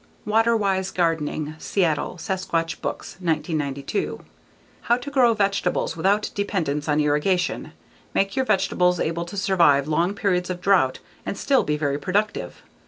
_Waterwise Gardening. _Seattle, Sasquatch Books, 1992. How to grow vegetables without dependence on irrigation. Make your vegetables able to survive long periods of drought and still be very productive.